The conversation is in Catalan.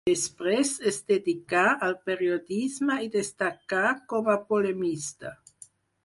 Després es dedicà al periodisme i destacà com a polemista.